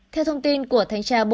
theo thông tin của thánh tra bộ